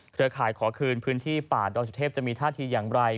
ข่ายขอคืนพื้นที่ป่าดอยสุเทพจะมีท่าทีอย่างไร